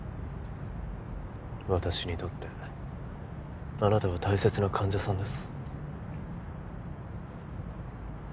私にとってあなたは大切な患者さんです